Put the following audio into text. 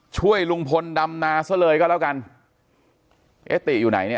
ช่วยลุงพลดำนาซะเลยก็แล้วกันเอ๊ะติอยู่ไหนเนี่ย